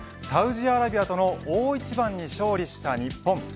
サウジアラビアとの大一番に勝利した日本。